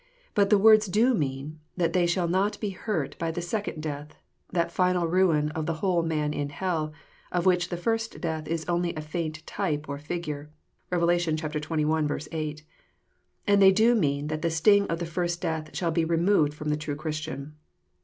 But the words do mean, that they shall not be hurt by the second death, — that final ruin of the whole man in hell, of which the first death is only a faint type or figure. (Rev. xxi. 8.) And they do mean that the sting of the first death shall be removed from the true Christian.